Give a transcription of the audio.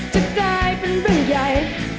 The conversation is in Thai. จะกลายเป็นเรื่องใหญ่